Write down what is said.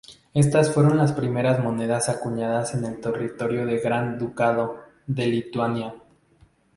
Estas fueron las primeras monedas acuñadas en territorio del Gran Ducado de Lituania.